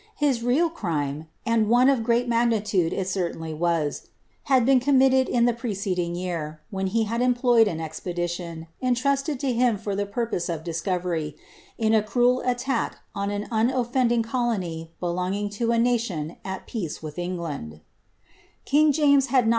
His real crime (and one of great magnitude it certainly was) had been committed in the pre ceding year, when he had employed an expedition, entrusted to him for the purpose of discovery, in a cruel attack on an unoflending colony ' He uses remorse as a synonyme for pity, or compassion. * Birch MSS.